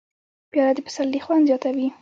پیاله د پسرلي خوند زیاتوي.